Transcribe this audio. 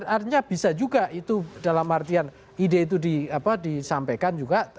artinya bisa juga itu dalam artian ide itu disampaikan juga